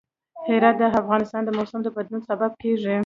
هرات د افغانستان د موسم د بدلون سبب کېږي.